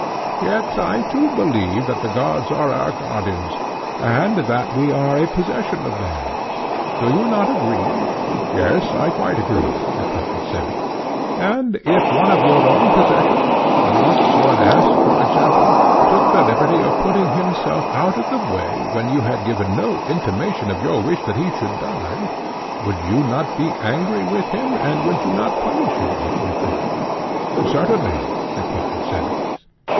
Yet I too believe that the gods are our guardians, and that we are a possession of theirs. Do you not agree? Yes, I quite agree, said Cebes. And if one of your own possessions, an ox or an ass, for example, took the liberty of putting himself out of the way when you had given no intimation of your wish that he should die, would you not be angry with him, and would you not punish him if you could? Certainly, replied Cebes.